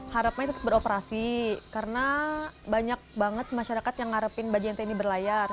harapannya tetap beroperasi karena banyak banget masyarakat yang ngarepin baju nt ini berlayar